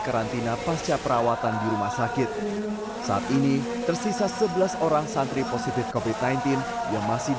karantina pasca perawatan di rumah sakit saat ini tersisa sebelas orang santri positif covid sembilan belas yang masih